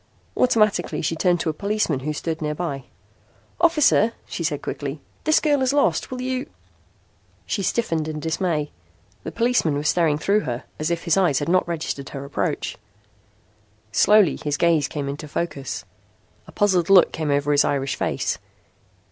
Automatically she turned to a policeman who stood nearby. "Officer," she said quickly, "this girl is lost. Will you...?" She stiffened in dismay. The policeman was staring through her as if his eyes had not registered her approach. Slowly his gaze came into focus. A puzzled look came over his Irish face.